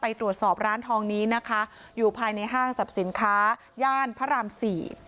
ตรวจสอบร้านทองนี้นะคะอยู่ภายในห้างสรรพสินค้าย่านพระรามสี่